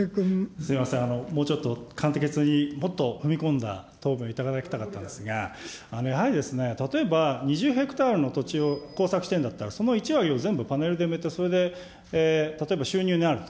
すみません、もうちょっと簡潔に、もっと踏み込んだ答弁をいただきたかったですが、やはり例えば２０ヘクタールの土地を耕作してるんだったら、その１割を全部パネルで埋めて、それで例えば収入になると。